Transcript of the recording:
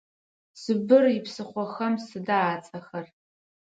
Сыбыр ипсыхъохэм сыда ацӏэхэр?